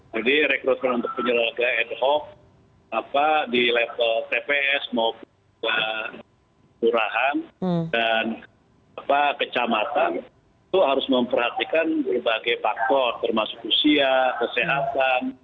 jadi rekrutasi untuk penyelenggara ad hoc di level tps maupun kekurahan dan kecamatan itu harus memperhatikan berbagai faktor termasuk usia kesehatan